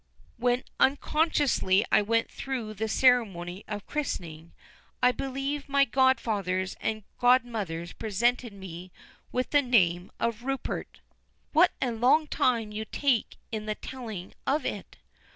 "When unconsciously I went through the ceremony of christening, I believe my godfathers and godmothers presented me with the name of Rupert." "What a long time you take in the telling of it.